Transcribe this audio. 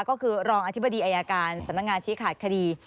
ก็คือรองอธิบดีอายการสำนักงานชี้ขาดคดี